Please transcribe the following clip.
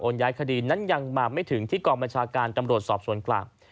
ย้ายคดีนั้นยังมาไม่ถึงที่กองบัญชาการตำรวจสอบสวนกลาง